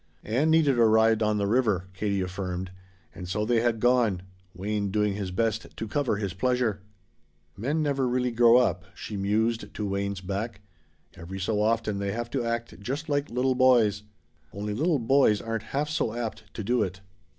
Ann needed a ride on the river, Katie affirmed, and so they had gone, Wayne doing his best to cover his pleasure. "Men never really grow up," she mused to Wayne's back. "Every so often they have to act just like little boys. Only little boys aren't half so apt to do it."